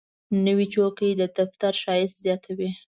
نوې چوکۍ د دفتر ښایست زیاتوي